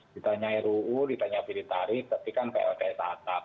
ditanya ruu ditanya fit in tarif tapi kan plts asap